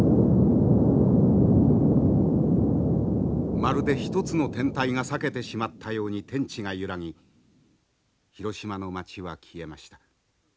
まるで一つの天体が裂けてしまったように天地が揺らぎ広島の町は消えました。